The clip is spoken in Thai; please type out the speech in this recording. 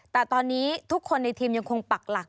แต่ตอนนี้ทุกคนในทีมยังคงปักหลัก